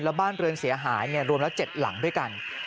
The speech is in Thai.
และบ้านเรือนเสียหายเนี่ยรวมละ๗หลังด้วยกัน